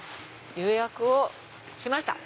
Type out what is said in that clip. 予約をしました！